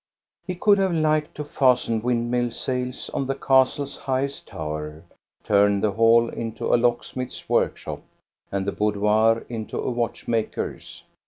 He could have liked to fasten windmill sails on the castle's highest tower, turn the hall into a locksmith's workshop, and the boudoir into a watch maker's.